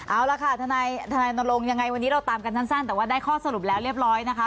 เอาล่ะค่ะทนายนรงค์ยังไงวันนี้เราตามกันสั้นแต่ว่าได้ข้อสรุปแล้วเรียบร้อยนะคะ